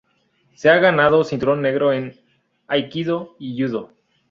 Se ha ganado cinturón negro en Aikido y Judo.